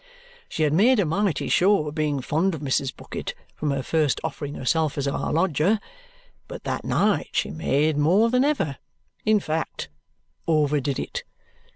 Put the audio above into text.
She had made a mighty show of being fond of Mrs. Bucket from her first offering herself as our lodger, but that night she made more than ever in fact, overdid it.